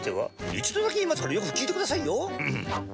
一度だけ言いますからよく聞いてくださいよ。